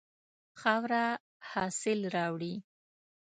خاوره حاصل راوړي.